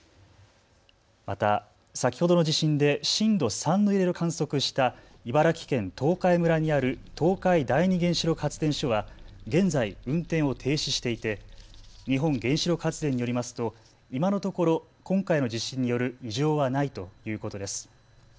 また先ほどの地震で震度３の揺れを観測した茨城県東海村にある東海第二原子力発電所は現在、運転を停止していて日本原子力発電によりますと今のところ今回の地震による異常はないということです。